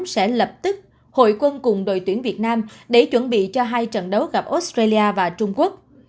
sẽ lập tức hội quân cùng đội tuyển việt nam để chuẩn bị cho hai trận đấu gặp australia và trung quốc